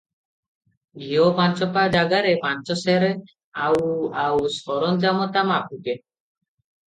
ଘିଅ ପାଞ୍ଚପା ଜାଗାରେ ପାଞ୍ଚ ସେର, ଆଉ ଆଉ ସରଞ୍ଜାମ ତା ମାଫିକେ ।